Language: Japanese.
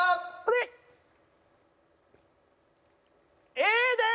Ａです！